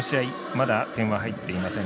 まだ点は入っていません。